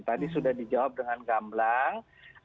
tadi sudah dijawab dengan gamblang